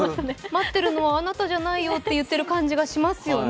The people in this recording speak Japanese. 待ってるのはあなたじゃないよと言ってる感じがしますよね。